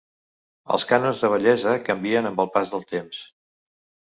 Els cànons de bellesa canvien amb el pas del temps.